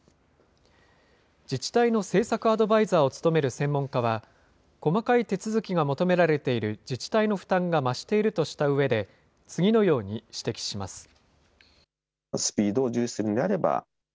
自治体の政策アドバイザーを務める専門家は、細かい手続きが求められている自治体の負担が増しているとしたうえで、次のように指摘します。